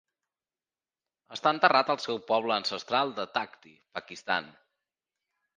Està enterrat al seu poble ancestral de Takhti, Pakistan.